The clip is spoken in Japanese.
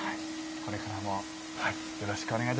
これからもよろしくお願いいたします。